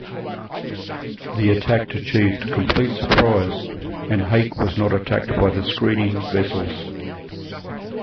The attack achieved complete surprise and "Hake" was not attacked by the screening vessels.